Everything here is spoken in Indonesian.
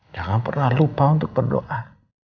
jangan pernah lupa untuk berdoa